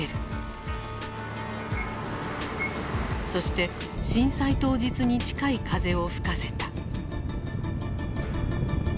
そして震災当日に近い風を吹かせた。